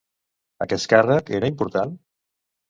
Aquest càrrec era important?